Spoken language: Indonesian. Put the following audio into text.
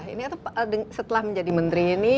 ini atau setelah menjadi menteri ini